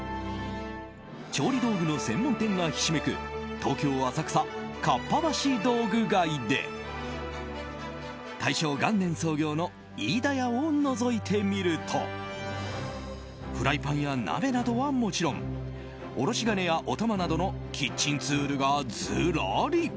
調理道具の専門店がひしめく東京・浅草かっぱ橋道具街で大正元年創業の飯田屋をのぞいてみるとフライパンや鍋などはもちろんおろし金や、お玉などのキッチンツールがずらり。